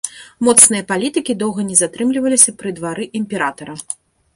Моцныя палітыкі доўга не затрымліваліся пры двары імператара.